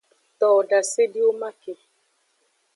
Towo dasediwoman ke.